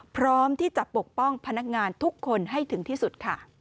พร้อมที่จะปกป้องพนักงานทุกคนให้ถึงที่สุดค่ะ